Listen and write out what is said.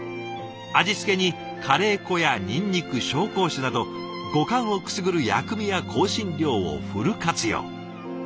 味付けにカレー粉やにんにく紹興酒など五感をくすぐる薬味や香辛料をフル活用。